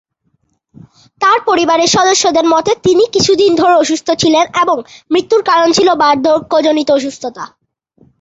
তার পরিবারের সদস্যদের মতে, তিনি কিছুদিন ধরে অসুস্থ ছিলেন, এবং মৃত্যুর কারণ ছিল বার্ধক্য জনিত অসুস্থতা।